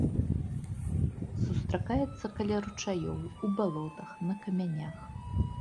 Сустракаецца каля ручаёў, у балотах, на камянях.